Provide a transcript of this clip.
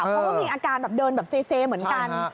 เพราะว่ามีอาการแบบเดินแบบเซเหมือนกัน